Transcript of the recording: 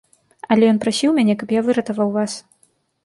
Але ён прасіў мяне, каб я выратаваў вас.